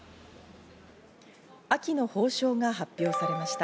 秋の褒章が発表されました。